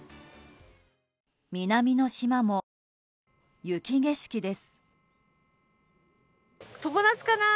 南の島も雪景色です。